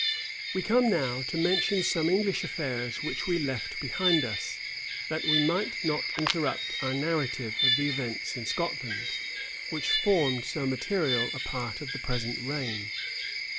We come now to mention some English affairs which we left behind us, that we might not interrupt our narrative of the events in Scotland, which formed so material a part of the present reign.